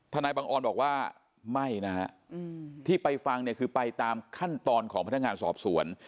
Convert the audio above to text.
นายบังออนบอกว่าไม่นะฮะที่ไปฟังเนี่ยคือไปตามขั้นตอนของพนักงานสอบสวน